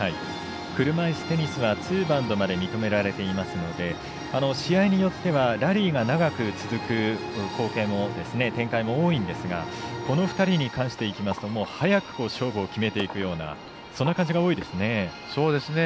車いすテニスはツーバウンドまで認められていますので試合によってはラリーが長く続く展開も多いんですけどこの２人に関していいますともう早く勝負を決めていくようなそんな感じが多いですね。